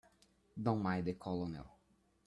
Don't mind the Colonel.